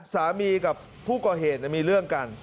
สามีกับผู้ก่อเหตุมีเรื่องกัน